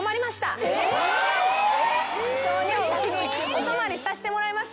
お泊まりさせてもらいました。